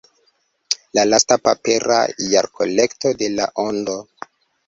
La lasta papera jarkolekto de La Ondo.